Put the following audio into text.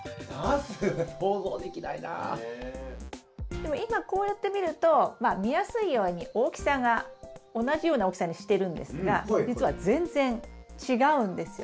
でも今こうやって見ると見やすいように大きさが同じような大きさにしてるんですがじつは全然違うんですよ。